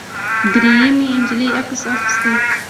درېیمې نجلۍ عکس اخیست.